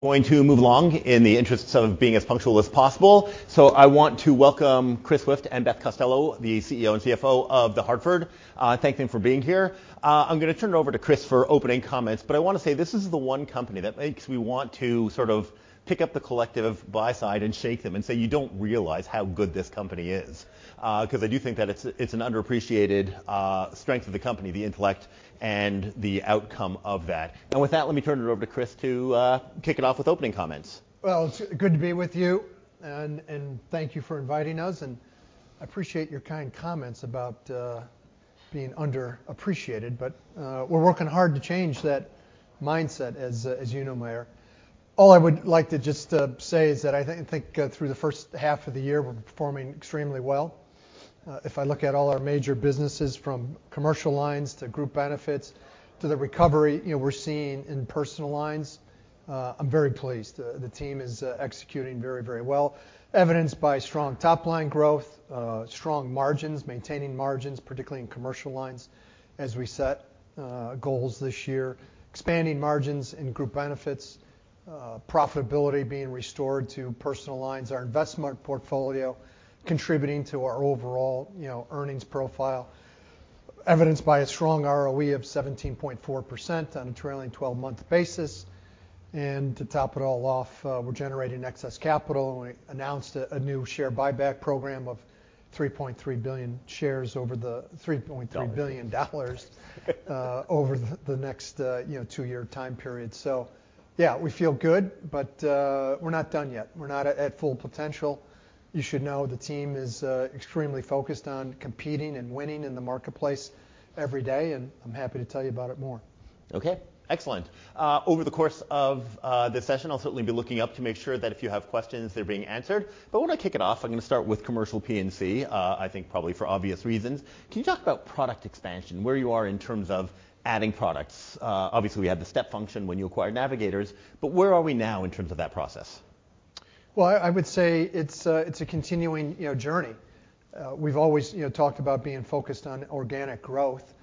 Going to move along in the interests of being as punctual as possible, so I want to welcome Chris Swift and Beth Costello, the CEO and CFO of The Hartford, thank them for being here. I'm going to turn it over to Chris for opening comments, but I want to say this is the one company that makes me want to sort of pick up the collective buy side and shake them and say, you don't realize how good this company is. Because I do think that it's an underappreciated strength of the company, the intellect and the outcome of that, and with that, let me turn it over to Chris to kick it off with opening comments. It's good to be with you. Thank you for inviting us. I appreciate your kind comments about being underappreciated. We're working hard to change that mindset, as you know, Meyer. All I would like to just say is that I think through the first half of the year we're performing extremely well. If I look at all our major businesses from commercial lines to group benefits to the recovery, you know, we're seeing in personal lines, I'm very pleased. The team is executing very, very well. Evidenced by strong top line growth, strong margins, maintaining margins, particularly in commercial lines as we set goals this year, expanding margins in group benefits, profitability being restored to personal lines, our investment portfolio contributing to our overall earnings profile. Evidenced by a strong ROE of 17.4% on a trailing 12 month basis. And to top it all off, we're generating excess capital. We announced a new share buyback program of $3.3 billion over the next two-year time period. So yeah, we feel good, but we're not done yet. We're not at full potential. You should know the team is extremely focused on competing and winning in the marketplace every day. And I'm happy to tell you about it more. OK, excellent. Over the course of this session, I'll certainly be looking up to make sure that if you have questions, they're being answered. But I want to kick it off. I'm going to start with commercial P&C, I think probably for obvious reasons. Can you talk about product expansion, where you are in terms of adding products? Obviously, we have the step function when you acquire Navigators. But where are we now in terms of that process? I would say it's a continuing journey. We've always talked about being focused on organic growth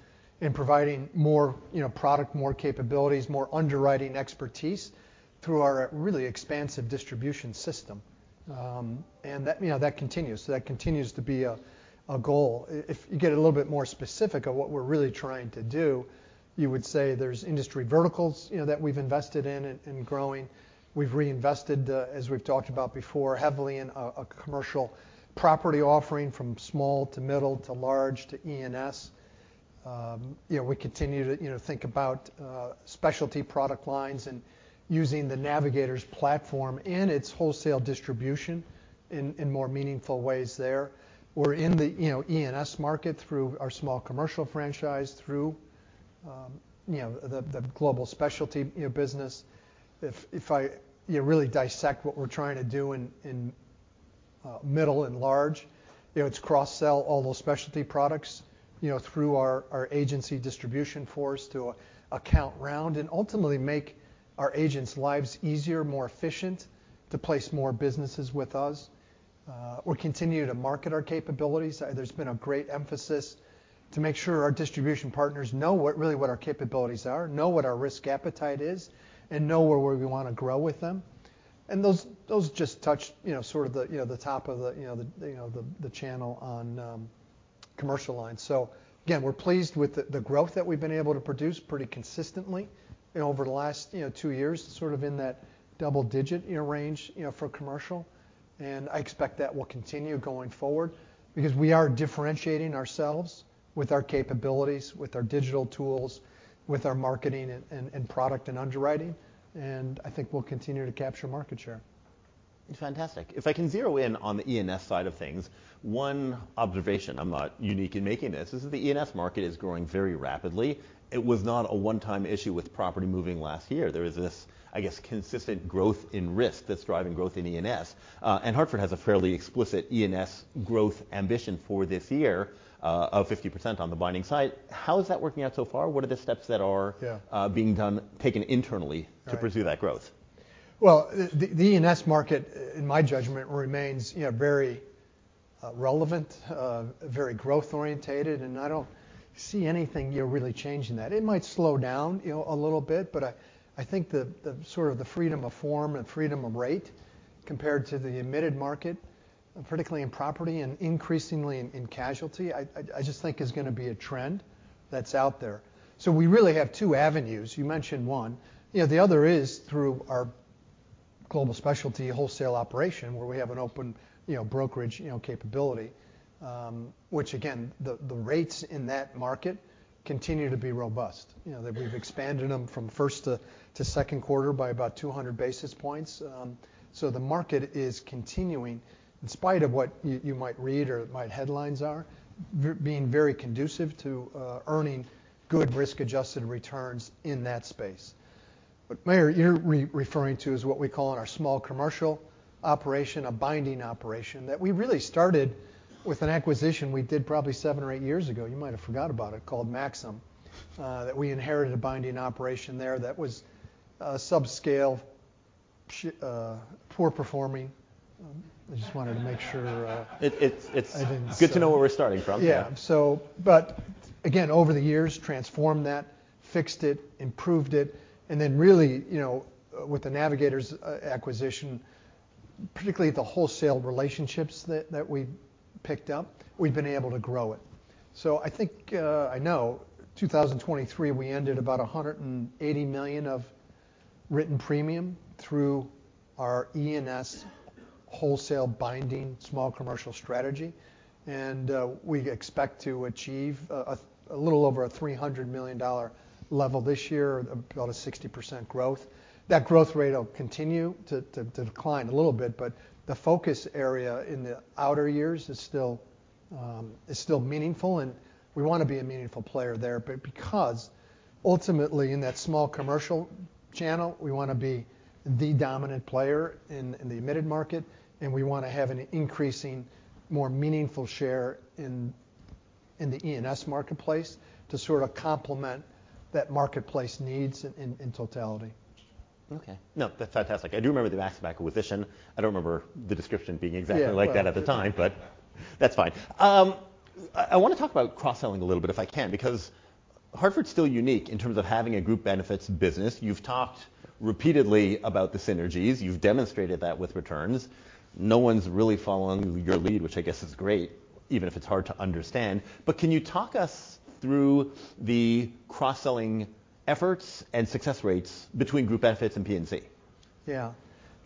and providing more product, more capabilities, more underwriting expertise through our really expansive distribution system. That continues. That continues to be a goal. If you get a little bit more specific of what we're really trying to do, you would say there's industry verticals that we've invested in and growing. We've reinvested, as we've talked about before, heavily in a commercial property offering from small to middle to large to E&S. We continue to think about specialty product lines and using the Navigators platform and its wholesale distribution in more meaningful ways there. We're in the E&S market through our small commercial franchise, through the global specialty business. If I really dissect what we're trying to do in middle and large, it's cross-sell all those specialty products through our agency distribution force to account rounding and ultimately make our agents' lives easier, more efficient to place more businesses with us. We continue to market our capabilities. There's been a great emphasis to make sure our distribution partners know really what our capabilities are, know what our risk appetite is, and know where we want to grow with them, and those just touch sort of the top of the channel on commercial lines, so again, we're pleased with the growth that we've been able to produce pretty consistently over the last two years, sort of in that double-digit range for commercial, and I expect that will continue going forward because we are differentiating ourselves with our capabilities, with our digital tools, with our marketing and product and underwriting. I think we'll continue to capture market share. Fantastic. If I can zero in on the E&S side of things, one observation, I'm not unique in making this, is that the E&S market is growing very rapidly. It was not a one-time issue with property moving last year. There is this, I guess, consistent growth in risk that's driving growth in E&S, and Hartford has a fairly explicit E&S growth ambition for this year of 50% on the binding side. How is that working out so far? What are the steps that are being done, taken internally to pursue that growth? The E&S market, in my judgment, remains very relevant, very growth-orientated. I don't see anything really changing that. It might slow down a little bit. I think the sort of freedom of form and freedom of rate compared to the admitted market, particularly in property and increasingly in casualty, is going to be a trend that's out there. We really have two avenues. You mentioned one. The other is through our global specialty wholesale operation, where we have an open brokerage capability, which again, the rates in that market continue to be robust. We've expanded them from first to Q2 by about 200 basis points. The market is continuing, in spite of what you might read or what headlines are, being very conducive to earning good risk-adjusted returns in that space. But Meyer, you're referring to is what we call in our small commercial operation, a binding operation that we really started with an acquisition we did probably seven or eight years ago. You might have forgotten about it called Maxum, that we inherited a binding operation there that was subscale, poor performing. I just wanted to make sure. It's good to know where we're starting from. Yeah. But again, over the years, transformed that, fixed it, improved it. And then really, with the Navigators acquisition, particularly the wholesale relationships that we picked up, we've been able to grow it. So I think I know 2023, we ended about $180 million of written premium through our E&S wholesale binding small commercial strategy. And we expect to achieve a little over a $300 million level this year, about a 60% growth. That growth rate will continue to decline a little bit. But the focus area in the outer years is still meaningful. And we want to be a meaningful player there. But because ultimately in that small commercial channel, we want to be the dominant player in the admitted market. And we want to have an increasing, more meaningful share in the E&S marketplace to sort of complement that marketplace needs in totality. OK. No, that's fantastic. I do remember the Maxum acquisition. I don't remember the description being exactly like that at the time. But that's fine. I want to talk about cross-selling a little bit, if I can, because Hartford is still unique in terms of having a group benefits business. You've talked repeatedly about the synergies. You've demonstrated that with returns. No one's really following your lead, which I guess is great, even if it's hard to understand. But can you talk us through the cross-selling efforts and success rates between group benefits and P&C? Yeah.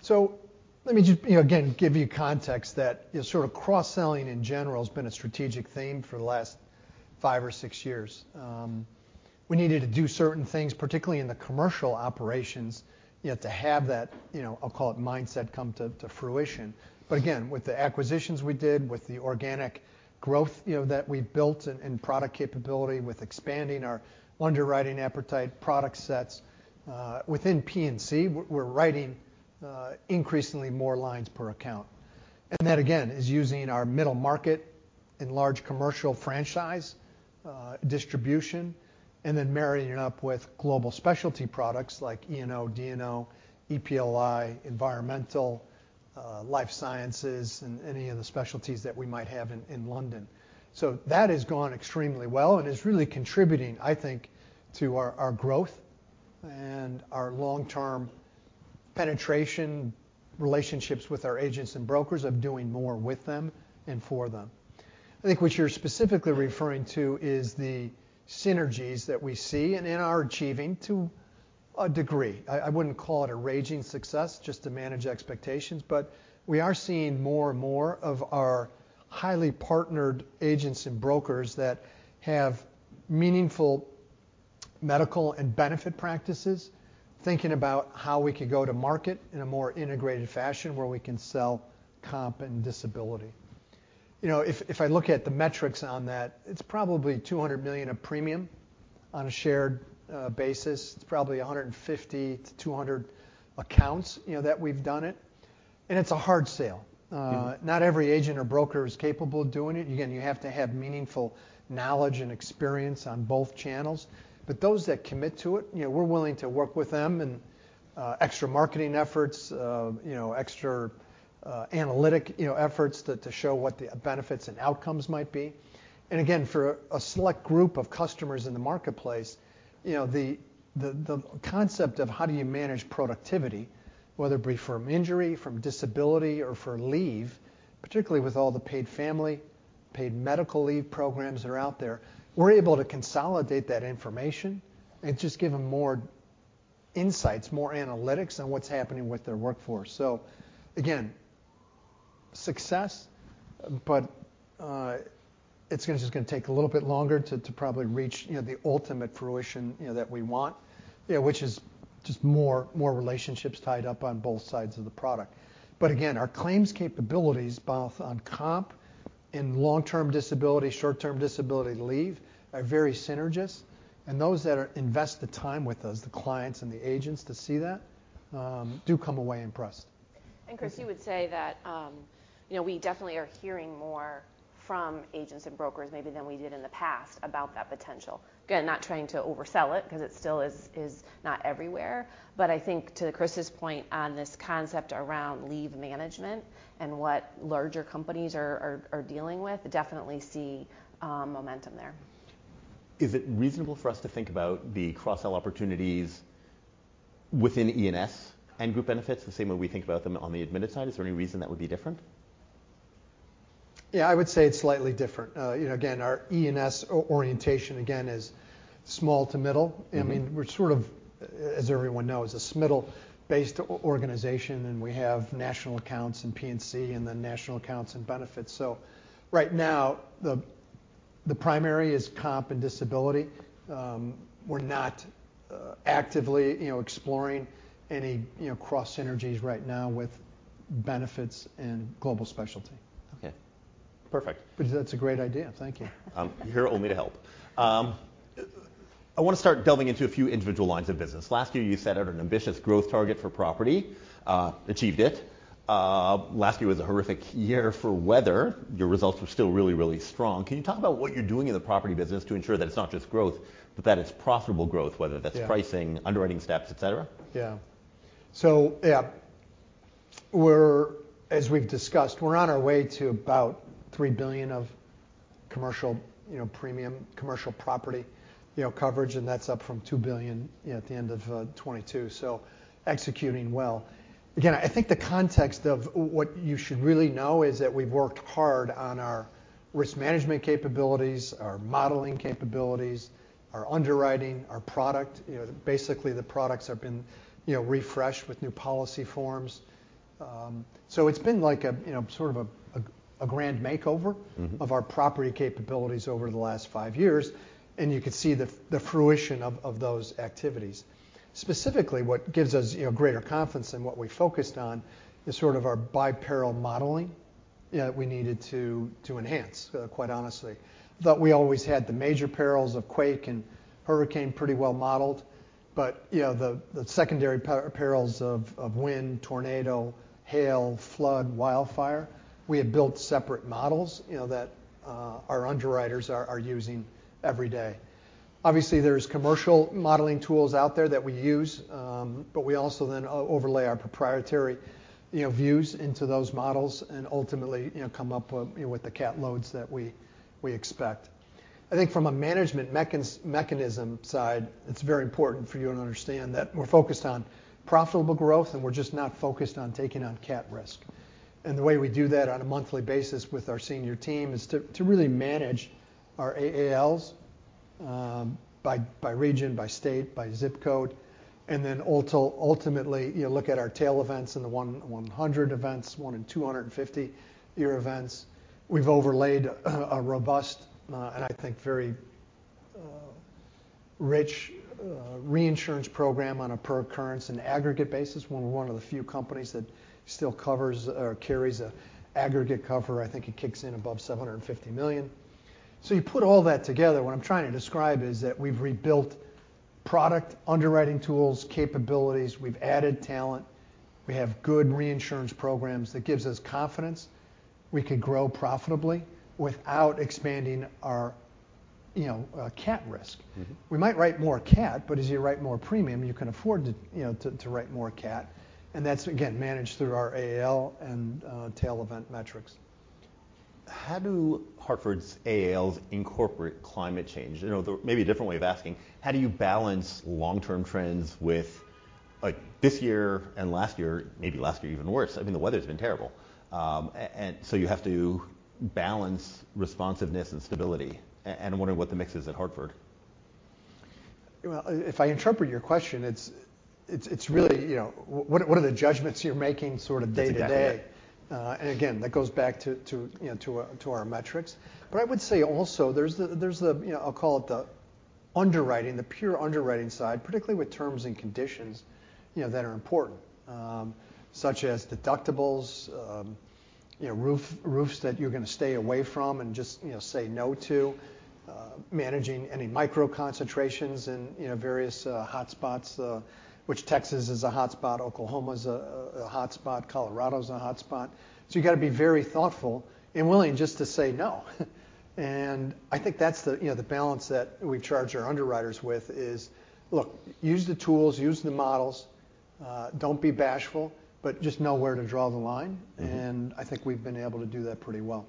So let me just again give you context that sort of cross-selling in general has been a strategic theme for the last five or six years. We needed to do certain things, particularly in the commercial operations, to have that, I'll call it mindset, come to fruition. But again, with the acquisitions we did, with the organic growth that we built in product capability, with expanding our underwriting appetite product sets, within P&C, we're writing increasingly more lines per account. And that again is using our middle market and large commercial franchise distribution, and then marrying it up with global specialty products like E&O, D&O, EPLI, environmental, life sciences, and any of the specialties that we might have in London. That has gone extremely well and is really contributing, I think, to our growth and our long-term penetration relationships with our agents and brokers of doing more with them and for them. I think what you're specifically referring to is the synergies that we see and are achieving to a degree. I wouldn't call it a raging success just to manage expectations. We are seeing more and more of our highly partnered agents and brokers that have meaningful medical and benefit practices, thinking about how we could go to market in a more integrated fashion where we can sell comp and disability. If I look at the metrics on that, it's probably $200 million of premium on a shared basis. It's probably 150 to 200 accounts that we've done it. It's a hard sale. Not every agent or broker is capable of doing it. Again, you have to have meaningful knowledge and experience on both channels. But those that commit to it, we're willing to work with them and extra marketing efforts, extra analytic efforts to show what the benefits and outcomes might be. And again, for a select group of customers in the marketplace, the concept of how do you manage productivity, whether it be from injury, from disability, or for leave, particularly with all the paid family, paid medical leave programs that are out there, we're able to consolidate that information and just give them more insights, more analytics on what's happening with their workforce. So again, success. But it's just going to take a little bit longer to probably reach the ultimate fruition that we want, which is just more relationships tied up on both sides of the product. But again, our claims capabilities, both on comp and long-term disability, short-term disability leave, are very synergistic. And those that invest the time with us, the clients and the agents, to see that do come away impressed. Chris, you would say that we definitely are hearing more from agents and brokers, maybe than we did in the past, about that potential. Again, not trying to oversell it because it still is not everywhere. I think to Chris's point on this concept around leave management and what larger companies are dealing with, definitely see momentum there. Is it reasonable for us to think about the cross-sell opportunities within E&S and group benefits the same way we think about them on the admitted side? Is there any reason that would be different? Yeah, I would say it's slightly different. Again, our E&S orientation is small to middle. I mean, we're sort of, as everyone knows, a middle-based organization. We have national accounts and P&C and then national accounts and benefits. So right now, the primary is comp and disability. We're not actively exploring any cross synergies right now with benefits and global specialty. OK. Perfect. But that's a great idea. Thank you. You're here only to help. I want to start delving into a few individual lines of business. Last year, you set out an ambitious growth target for property, achieved it. Last year was a horrific year for weather. Your results were still really, really strong. Can you talk about what you're doing in the property business to ensure that it's not just growth, but that it's profitable growth, whether that's pricing, underwriting steps, et cetera? Yeah. So yeah, as we've discussed, we're on our way to about $3 billion of commercial premium, commercial property coverage. And that's up from $2 billion at the end of 2022. So executing well. Again, I think the context of what you should really know is that we've worked hard on our risk management capabilities, our modeling capabilities, our underwriting, our product. Basically, the products have been refreshed with new policy forms. So it's been like sort of a grand makeover of our property capabilities over the last five years. And you could see the fruition of those activities. Specifically, what gives us greater confidence in what we focused on is sort of our bi-parallel modeling that we needed to enhance, quite honestly. Thought we always had the major perils of quake and hurricane pretty well modeled. But the secondary perils of wind, tornado, hail, flood, wildfire, we have built separate models that our underwriters are using every day. Obviously, there's commercial modeling tools out there that we use. But we also then overlay our proprietary views into those models and ultimately come up with the cat loads that we expect. I think from a management mechanism side, it's very important for you to understand that we're focused on profitable growth. And we're just not focused on taking on cat risk. And the way we do that on a monthly basis with our senior team is to really manage our AALs by region, by state, by zip code. And then ultimately, you look at our tail events and the 100 year events, one and 250 year events. We've overlaid a robust and I think very rich reinsurance program on a per-occurrence and aggregate basis. We're one of the few companies that still covers or carries an aggregate cover. I think it kicks in above $750 million. So you put all that together, what I'm trying to describe is that we've rebuilt product underwriting tools, capabilities. We've added talent. We have good reinsurance programs that give us confidence. We can grow profitably without expanding our cat risk. We might write more cat. But as you write more premium, you can afford to write more cat. And that's again managed through our AAL and tail event metrics. How do Hartford's AALs incorporate climate change? Maybe a different way of asking, how do you balance long-term trends with this year and last year, maybe last year even worse? I mean, the weather has been terrible. And so you have to balance responsiveness and stability. And I'm wondering what the mix is at Hartford. Well, if I interpret your question, it's really what are the judgments you're making sort of day to day? And again, that goes back to our metrics. But I would say also there's the, I'll call it the underwriting, the pure underwriting side, particularly with terms and conditions that are important, such as deductibles, roofs that you're going to stay away from and just say no to, managing any micro concentrations in various hotspots, which Texas is a hotspot, Oklahoma is a hotspot, Colorado is a hotspot. So you've got to be very thoughtful and willing just to say no. And I think that's the balance that we charge our underwriters with is, look, use the tools, use the models. Don't be bashful. But just know where to draw the line. And I think we've been able to do that pretty well.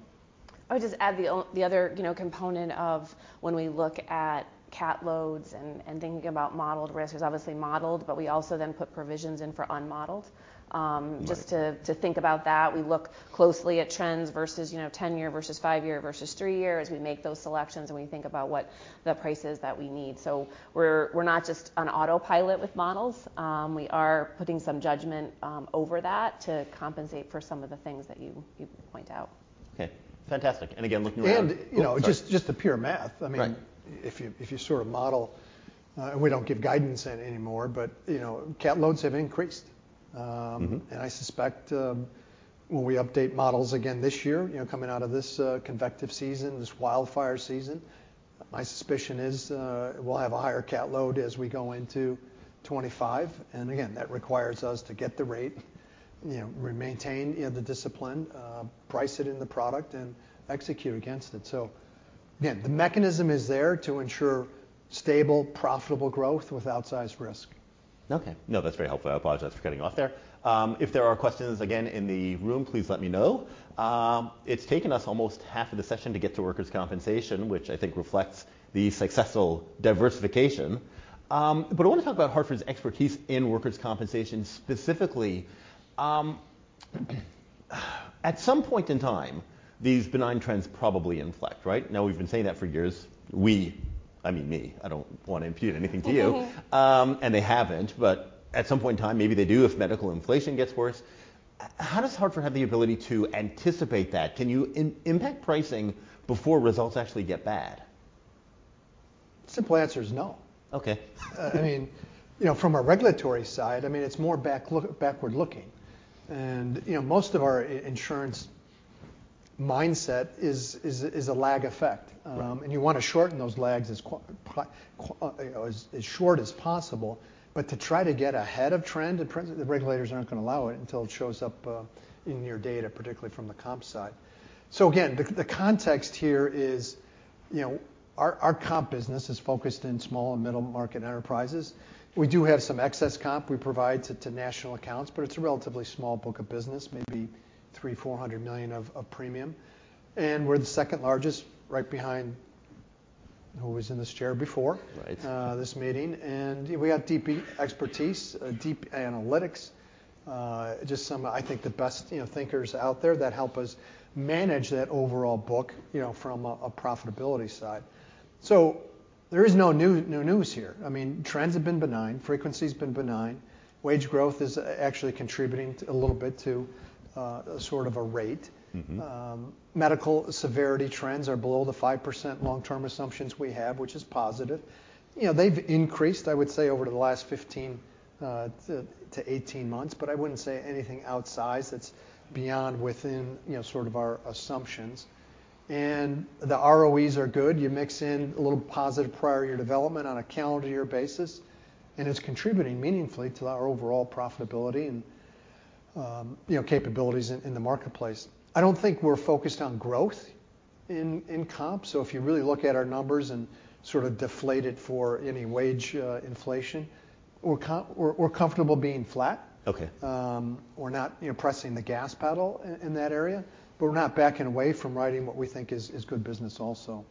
I would just add the other component of when we look at cat loads and thinking about modeled risk is obviously modeled. But we also then put provisions in for unmodeled. Just to think about that, we look closely at trends versus 10 year versus five year versus three year as we make those selections and we think about what the price is that we need. So we're not just on autopilot with models. We are putting some judgment over that to compensate for some of the things that you point out. OK. Fantastic, and again, looking around. Just the pure math. I mean, if you sort of model and we don't give guidance anymore. Cat loads have increased. I suspect when we update models again this year, coming out of this convective season, this wildfire season, my suspicion is we'll have a higher cat load as we go into 2025. Again, that requires us to get the rate, maintain the discipline, price it in the product, and execute against it. Again, the mechanism is there to ensure stable, profitable growth without size risk. OK. No, that's very helpful. I apologize for cutting off there. If there are questions again in the room, please let me know. It's taken us almost half of the session to get to workers' compensation, which I think reflects the successful diversification. But I want to talk about Hartford's expertise in workers' compensation specifically. At some point in time, these benign trends probably inflect, right? Now, we've been saying that for years. We, I mean me, I don't want to impute anything to you. And they haven't. But at some point in time, maybe they do if medical inflation gets worse. How does Hartford have the ability to anticipate that? Can you impact pricing before results actually get bad? Simple answer is no. OK. I mean, from a regulatory side, I mean, it's more backward looking, and most of our insurance mindset is a lag effect. You want to shorten those lags as short as possible. But to try to get ahead of trend, the regulators aren't going to allow it until it shows up in your data, particularly from the comp side. So again, the context here is our comp business is focused in small and middle market enterprises. We do have some excess comp we provide to national accounts. But it's a relatively small book of business, maybe $300 million to 400 million of premium. We're the second largest, right behind who was in this chair before this meeting. We got deep expertise, deep analytics, just some, I think, the best thinkers out there that help us manage that overall book from a profitability side. So there is no new news here. I mean, trends have been benign. Frequency has been benign. Wage growth is actually contributing a little bit to sort of a rate. Medical severity trends are below the 5% long-term assumptions we have, which is positive. They've increased, I would say, over the last 15 to 18 months. But I wouldn't say anything outsized that's beyond within sort of our assumptions. And the ROEs are good. You mix in a little positive prior year development on a calendar year basis. And it's contributing meaningfully to our overall profitability and capabilities in the marketplace. I don't think we're focused on growth in comp. So if you really look at our numbers and sort of deflate it for any wage inflation, we're comfortable being flat. We're not pressing the gas pedal in that area. But we're not backing away from writing what we think is good business also.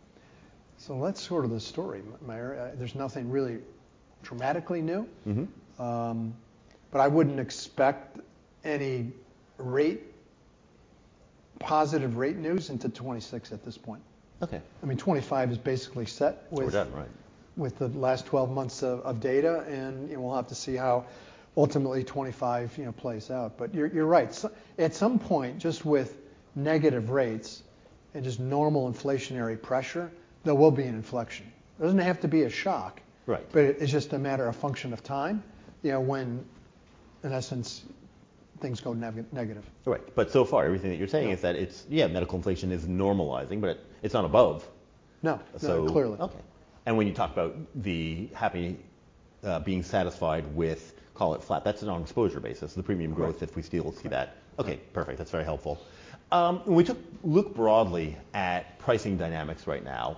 So that's sort of the story, Meyer. There's nothing really dramatically new. But I wouldn't expect any positive rate news into 2026 at this point. OK. I mean, 2025 is basically set with the last 12 months of data, and we'll have to see how ultimately 2025 plays out, but you're right. At some point, just with negative rates and just normal inflationary pressure, there will be an inflection. It doesn't have to be a shock, but it's just a matter of function of time when, in essence, things go negative. Right, but so far, everything that you're saying is that it's, yeah, medical inflation is normalizing, but it's not above. No. Clearly. OK. And when you talk about being satisfied with, call it flat, that's on an exposure basis, the premium growth if we still see that. OK. Perfect. That's very helpful. When we look broadly at pricing dynamics right now,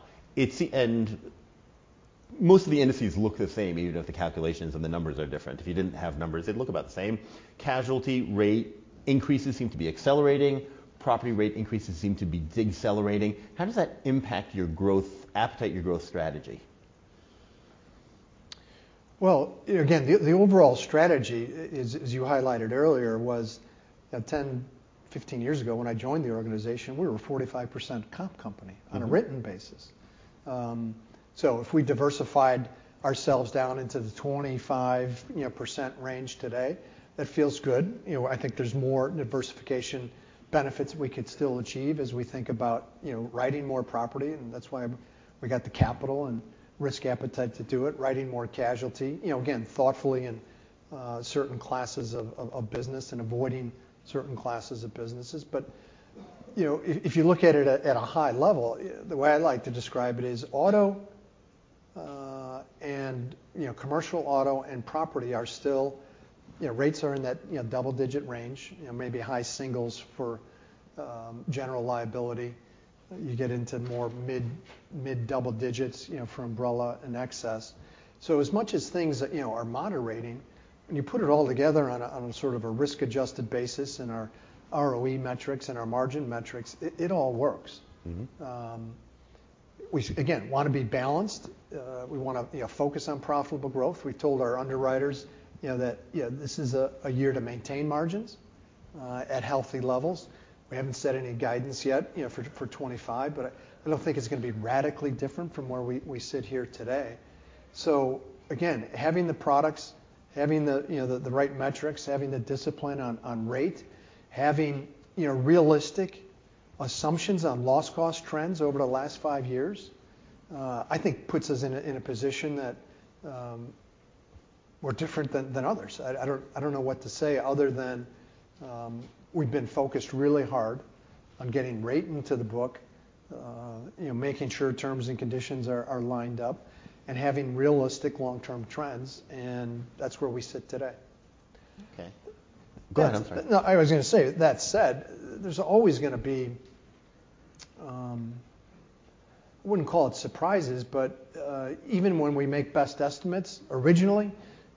most of the indices look the same, even if the calculations and the numbers are different. If you didn't have numbers, they'd look about the same. Casualty rate increases seem to be accelerating. Property rate increases seem to be decelerating. How does that impact your growth appetite, your growth strategy? Again, the overall strategy, as you highlighted earlier, was 10, 15 years ago when I joined the organization, we were a 45% comp company on a written basis. If we diversified ourselves down into the 25% range today, that feels good. I think there's more diversification benefits we could still achieve as we think about writing more property. And that's why we got the capital and risk appetite to do it, writing more casualty, again, thoughtfully in certain classes of business and avoiding certain classes of businesses. If you look at it at a high level, the way I like to describe it is auto and commercial auto and property, rates are still in that double-digit range, maybe high singles for general liability. You get into more mid double digits for umbrella and excess. So as much as things are moderating, when you put it all together on sort of a risk-adjusted basis and our ROE metrics and our margin metrics, it all works. We, again, want to be balanced. We want to focus on profitable growth. We've told our underwriters that this is a year to maintain margins at healthy levels. We haven't set any guidance yet for 2025. But I don't think it's going to be radically different from where we sit here today. So again, having the products, having the right metrics, having the discipline on rate, having realistic assumptions on loss cost trends over the last five years, I think puts us in a position that we're different than others. I don't know what to say other than we've been focused really hard on getting rate into the book, making sure terms and conditions are lined up, and having realistic long-term trends, and that's where we sit today. OK. Go ahead. I'm sorry. No, I was going to say, that said, there's always going to be. I wouldn't call it surprises. But even when we make best estimates originally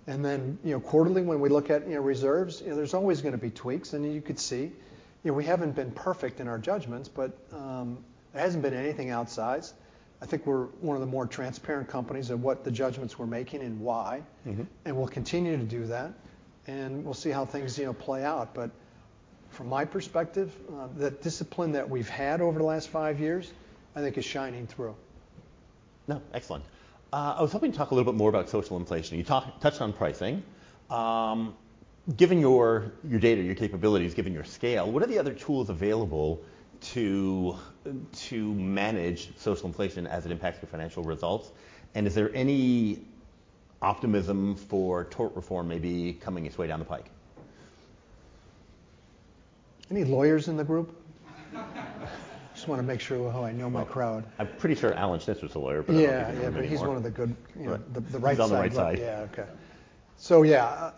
and then quarterly when we look at reserves, there's always going to be tweaks. And you could see we haven't been perfect in our judgments. But it hasn't been anything outsized. I think we're one of the more transparent companies of what the judgments we're making and why. And we'll continue to do that. And we'll see how things play out. But from my perspective, that discipline that we've had over the last five years, I think is shining through. No. Excellent. I was hoping to talk a little bit more about social inflation. You touched on pricing. Given your data, your capabilities, given your scale, what are the other tools available to manage social inflation as it impacts your financial results? And is there any optimism for tort reform maybe coming its way down the pike? Any lawyers in the group? Just want to make sure how I know my crowd. I'm pretty sure Alan Schnitzer's a lawyer. Yeah. Yeah. But he's one of the good, the right side. He's on the right side. Yeah. OK. So yeah,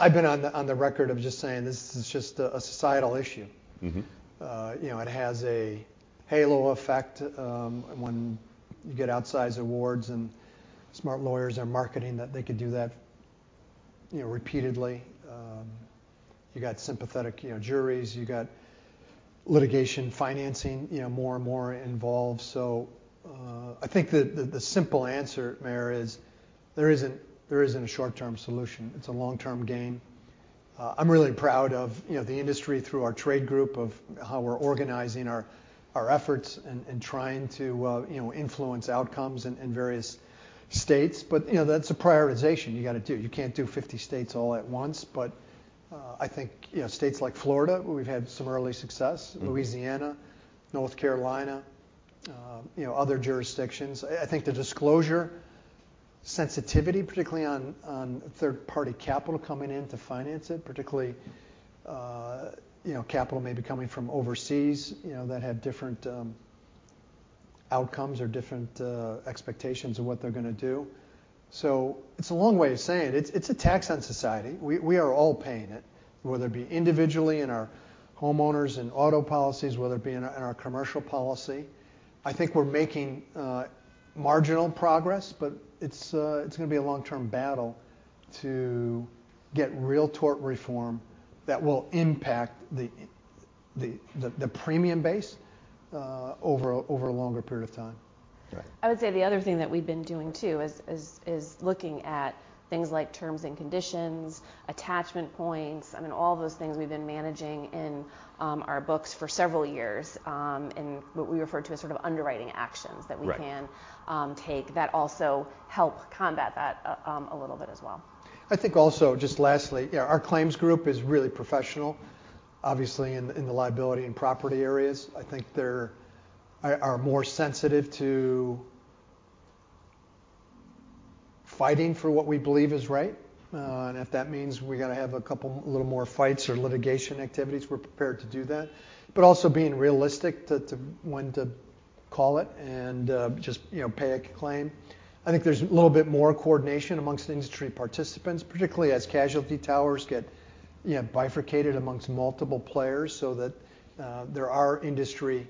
I've been on the record of just saying this is just a societal issue. It has a halo effect when you get outsized awards. And smart lawyers are marketing that they could do that repeatedly. You got sympathetic juries. You got litigation financing more and more involved. So I think the simple answer, Meyer, is there isn't a short-term solution. It's a long-term gain. I'm really proud of the industry through our trade group of how we're organizing our efforts and trying to influence outcomes in various states. But that's a prioritization you've got to do. You can't do 50 states all at once. But I think states like Florida, we've had some early success, Louisiana, North Carolina, other jurisdictions. I think the disclosure sensitivity, particularly on third-party capital coming in to finance it, particularly capital maybe coming from overseas that have different outcomes or different expectations of what they're going to do. So it's a long way of saying it's a tax on society. We are all paying it, whether it be individually in our homeowners and auto policies, whether it be in our commercial policy. I think we're making marginal progress. But it's going to be a long-term battle to get real tort reform that will impact the premium base over a longer period of time. I would say the other thing that we've been doing too is looking at things like terms and conditions, attachment points. I mean, all of those things we've been managing in our books for several years, and what we refer to as sort of underwriting actions that we can take that also help combat that a little bit as well. I think also just lastly, our claims group is really professional, obviously, in the liability and property areas. I think they are more sensitive to fighting for what we believe is right. And if that means we've got to have a couple little more fights or litigation activities, we're prepared to do that. But also being realistic to when to call it and just pay a claim. I think there's a little bit more coordination amongst industry participants, particularly as casualty towers get bifurcated amongst multiple players. So that there are industry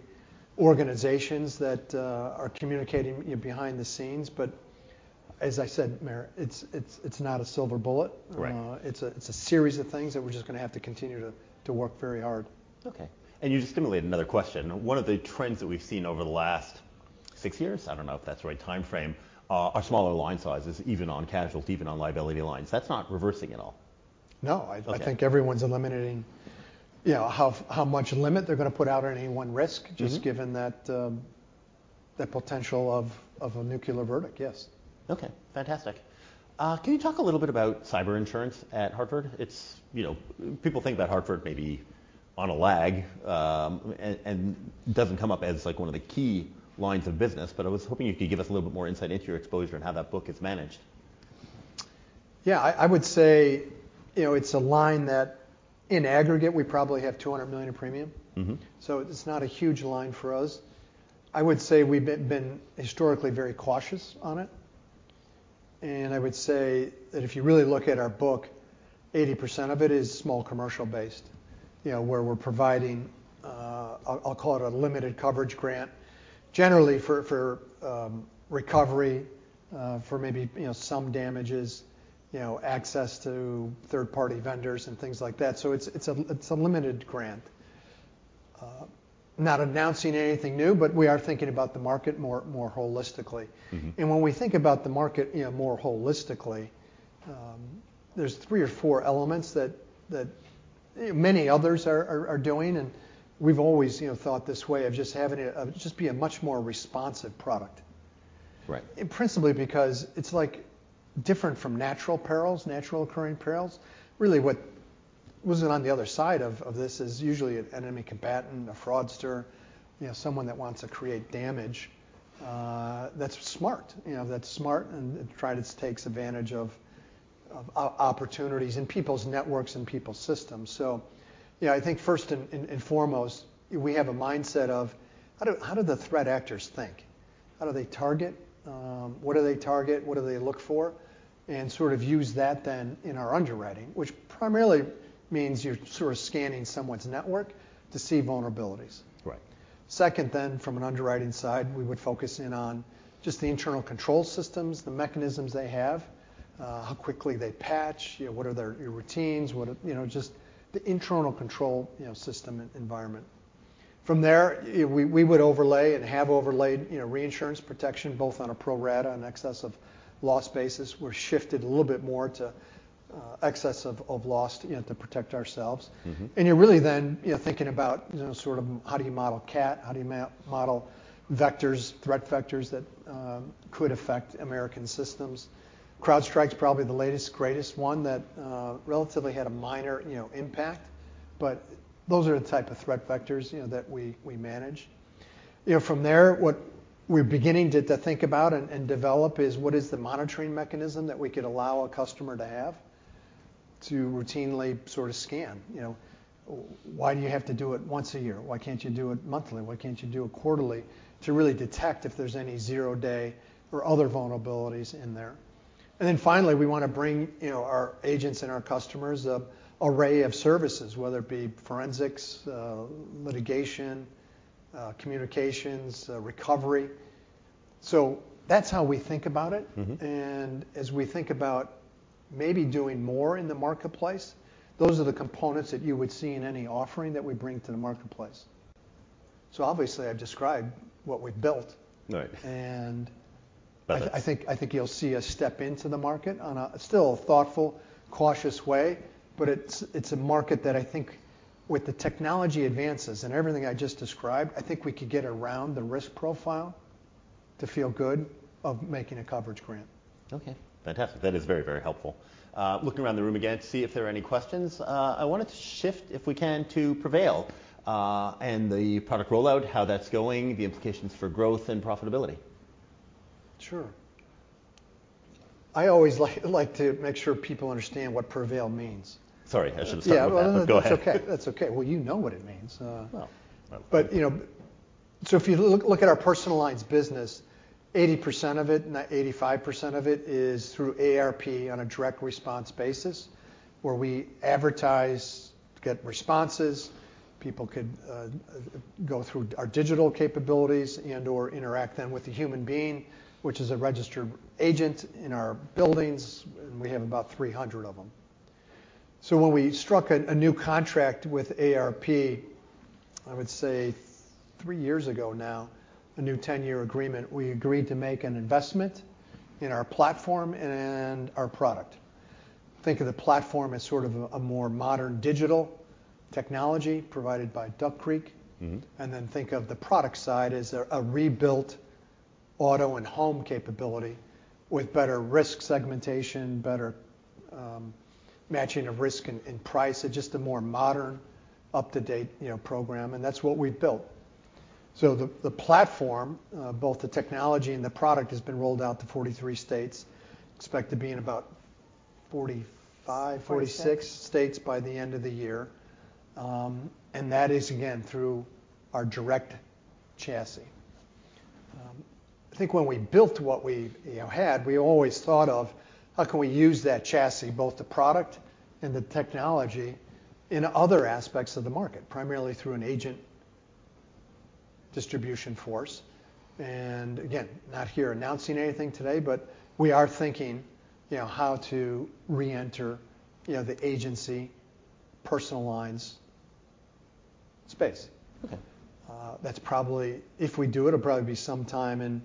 organizations that are communicating behind the scenes. But as I said, Meyer, it's not a silver bullet. It's a series of things that we're just going to have to continue to work very hard. OK. And you just stimulated another question. One of the trends that we've seen over the last six years, I don't know if that's the right time frame, are smaller line sizes, even on casualty, even on liability lines. That's not reversing at all. No. I think everyone's eliminating how much limit they're going to put out on any one risk, just given that potential of a nuclear verdict, yes. OK. Fantastic. Can you talk a little bit about cyber insurance at Hartford? People think that Hartford may be on a lag and doesn't come up as one of the key lines of business. But I was hoping you could give us a little bit more insight into your exposure and how that book is managed. Yeah. I would say it's a line that in aggregate, we probably have $200 million in premium, so it's not a huge line for us. I would say we've been historically very cautious on it, and I would say that if you really look at our book, 80% of it is small commercial-based, where we're providing, I'll call it a limited coverage grant, generally for recovery for maybe some damages, access to third-party vendors and things like that, so it's a limited grant. Not announcing anything new, but we are thinking about the market more holistically, and when we think about the market more holistically, there's three or four elements that many others are doing, and we've always thought this way of just having it just be a much more responsive product, principally because it's like different from natural perils, naturally occurring perils. Really, what wasn't on the other side of this is usually an enemy combatant, a fraudster, someone that wants to create damage that's smart. That's smart and tries to take advantage of opportunities in people's networks and people's systems. So I think first and foremost, we have a mindset of how do the threat actors think? How do they target? What do they target? What do they look for? And sort of use that then in our underwriting, which primarily means you're sort of scanning someone's network to see vulnerabilities. Right. Second then, from an underwriting side, we would focus in on just the internal control systems, the mechanisms they have, how quickly they patch, what are their routines, just the internal control system environment. From there, we would overlay and have overlaid reinsurance protection, both on a pro rata and excess of loss basis. We've shifted a little bit more to excess of loss to protect ourselves. You're really then thinking about sort of how do you model CAT, how do you model threat vectors that could affect American systems. CrowdStrike's probably the latest, greatest one that relatively had a minor impact. Those are the type of threat vectors that we manage. From there, what we're beginning to think about and develop is what is the monitoring mechanism that we could allow a customer to have to routinely sort of scan. Why do you have to do it once a year? Why can't you do it monthly? Why can't you do it quarterly to really detect if there's any zero-day or other vulnerabilities in there? And then finally, we want to bring our agents and our customers an array of services, whether it be forensics, litigation, communications, recovery. So that's how we think about it. And as we think about maybe doing more in the marketplace, those are the components that you would see in any offering that we bring to the marketplace. So obviously, I've described what we've built. And I think you'll see us step into the market on a still thoughtful, cautious way. But it's a market that I think with the technology advances and everything I just described, I think we could get around the risk profile to feel good of making a coverage grant. OK. Fantastic. That is very, very helpful. Looking around the room again to see if there are any questions. I wanted to shift, if we can, to Prevail and the product rollout, how that's going, the implications for growth and profitability. Sure. I always like to make sure people understand what Prevail means. Sorry. I should have stopped you. Go ahead. That's OK. Well, you know what it means. But so if you look at our personal business, 80% of it, 85% of it is through AARP on a direct response basis, where we advertise, get responses. People could go through our digital capabilities and/or interact then with the human being, which is a registered agent in our buildings, and we have about 300 of them. So when we struck a new contract with AARP, I would say three years ago now, a new 10-year agreement, we agreed to make an investment in our platform and our product. Think of the platform as sort of a more modern digital technology provided by Duck Creek, and then think of the product side as a rebuilt auto and home capability with better risk segmentation, better matching of risk and price, just a more modern, up-to-date program, and that's what we've built. The platform, both the technology and the product, has been rolled out to 43 states. Expect to be in about 45, 46 states by the end of the year. That is, again, through our direct chassis. I think when we built what we had, we always thought of how can we use that chassis, both the product and the technology, in other aspects of the market, primarily through an agent distribution force. Again, not here announcing anything today. We are thinking how to reenter the agency personal lines space. OK. That's probably, if we do it, it'll probably be sometime in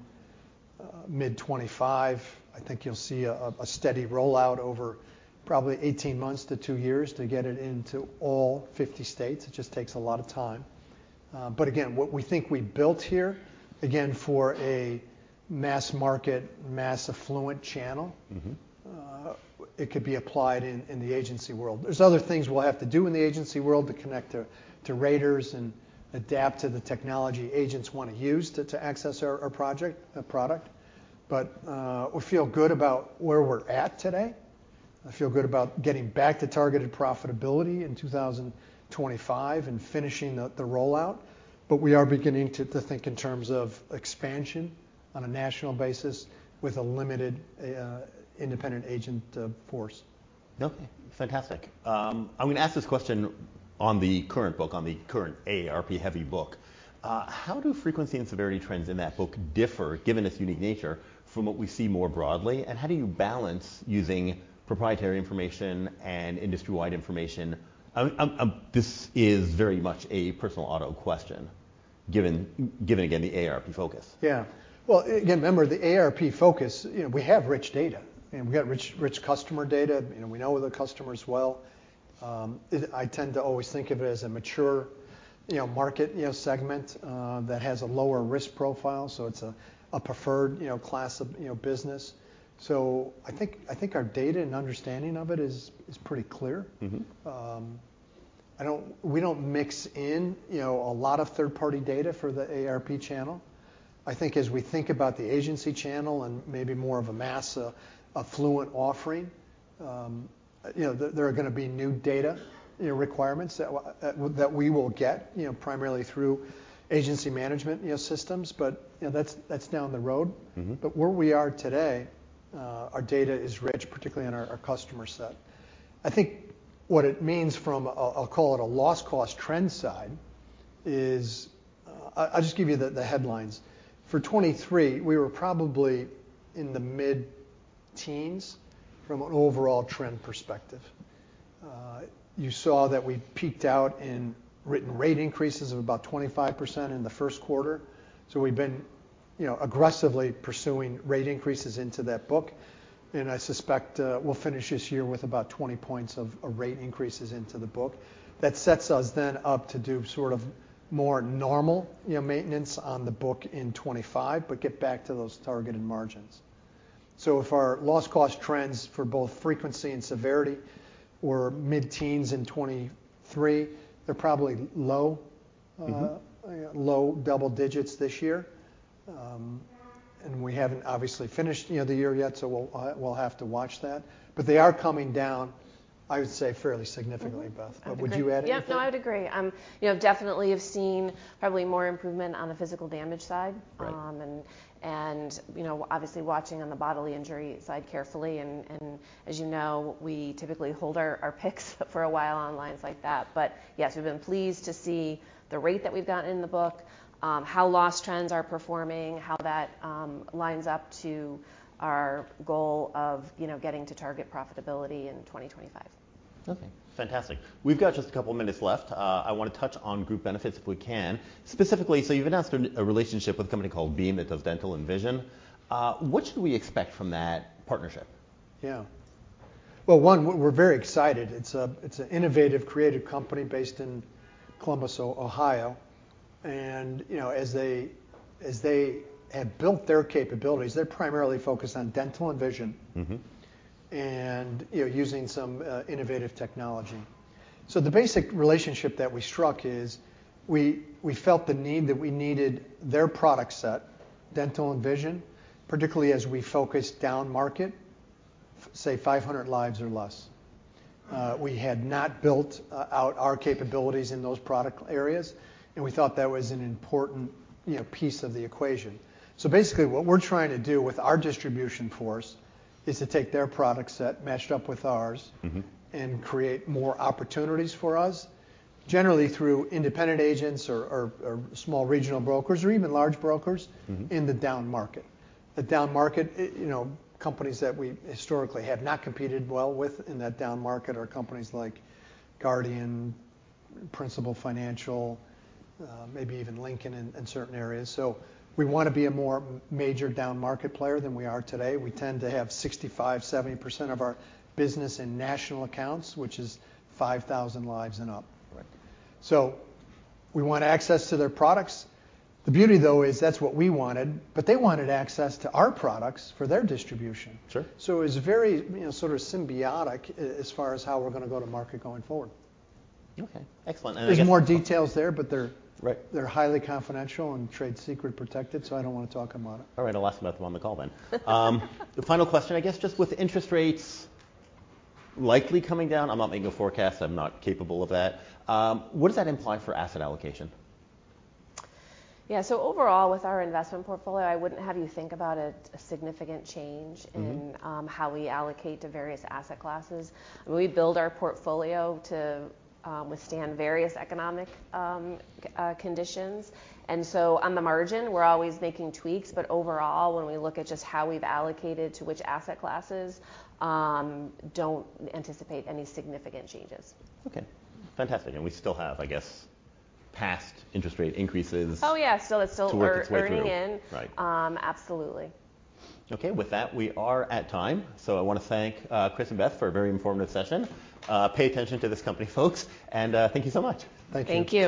mid 2025. I think you'll see a steady rollout over probably 18 months to two years to get it into all 50 states. It just takes a lot of time. But again, what we think we built here, again, for a mass market, mass affluent channel, it could be applied in the agency world. There's other things we'll have to do in the agency world to connect to raters and adapt to the technology agents want to use to access our project, our product. But we feel good about where we're at today. I feel good about getting back to targeted profitability in 2025 and finishing the rollout. But we are beginning to think in terms of expansion on a national basis with a limited independent agent force. OK. Fantastic. I'm going to ask this question on the current book, on the current ARP-heavy book. How do frequency and severity trends in that book differ, given its unique nature, from what we see more broadly, and how do you balance using proprietary information and industry-wide information? This is very much a personal auto question, given again the ARP focus. Yeah. Well, again, remember the ARP focus. We have rich data. And we've got rich customer data. We know the customers well. I tend to always think of it as a mature market segment that has a lower risk profile. So it's a preferred class of business. So I think our data and understanding of it is pretty clear. We don't mix in a lot of third-party data for the ARP channel. I think as we think about the agency channel and maybe more of a mass affluent offering, there are going to be new data requirements that we will get primarily through agency management systems. But that's down the road. But where we are today, our data is rich, particularly in our customer set. I think what it means from, I'll call it a loss cost trend side, is I'll just give you the headlines. For 2023, we were probably in the mid-teens from an overall trend perspective. You saw that we peaked out in written rate increases of about 25% in the Q1. So we've been aggressively pursuing rate increases into that book. And I suspect we'll finish this year with about 20 points of rate increases into the book. That sets us then up to do sort of more normal maintenance on the book in 2025, but get back to those targeted margins. So if our loss cost trends for both frequency and severity were mid-teens in 2023, they're probably low, low double digits this year. And we haven't obviously finished the year yet. So we'll have to watch that. But they are coming down, I would say, fairly significantly, Beth. But would you add anything? Yeah. No, I would agree. You definitely have seen probably more improvement on the physical damage side. And obviously watching on the bodily injury side carefully. And as you know, we typically hold our prices for a while on lines like that. But yes, we've been pleased to see the rate that we've gotten in the book, how loss trends are performing, how that lines up with our goal of getting to target profitability in 2025. OK. Fantastic. We've got just a couple of minutes left. I want to touch on group benefits if we can. Specifically, so you've announced a relationship with a company called Beam that does dental and vision. What should we expect from that partnership? Yeah. One, we're very excited. It's an innovative, creative company based in Columbus, Ohio. As they have built their capabilities, they're primarily focused on dental and vision and using some innovative technology. The basic relationship that we struck is we felt the need that we needed their product set, dental and vision, particularly as we focus down market, say 500 lives or less. We had not built out our capabilities in those product areas. We thought that was an important piece of the equation. Basically, what we're trying to do with our distribution force is to take their product set, match it up with ours, and create more opportunities for us, generally through independent agents or small regional brokers or even large brokers in the down market. The down market, companies that we historically have not competed well with in that down market are companies like Guardian, Principal Financial, maybe even Lincoln in certain areas. So we want to be a more major down market player than we are today. We tend to have 65%, 70% of our business in national accounts, which is 5,000 lives and up. So we want access to their products. The beauty, though, is that's what we wanted. But they wanted access to our products for their distribution. So it's very sort of symbiotic as far as how we're going to go to market going forward. OK. Excellent. There's more details there. But they're highly confidential and trade secret protected. So I don't want to talk about it. All right. I'll ask about them on the call then. The final question, I guess, just with interest rates likely coming down. I'm not making a forecast. I'm not capable of that. What does that imply for asset allocation? Yeah. So overall, with our investment portfolio, I wouldn't have you think about a significant change in how we allocate to various asset classes. We build our portfolio to withstand various economic conditions. And so on the margin, we're always making tweaks. But overall, when we look at just how we've allocated to which asset classes, don't anticipate any significant changes. OK. Fantastic. And we still have, I guess, past interest rate increases. Oh, yeah. Still, it's still working. To work its way through. Absolutely. OK. With that, we are at time. So I want to thank Chris and Beth for a very informative session. Pay attention to this company, folks. And thank you so much. Thank you.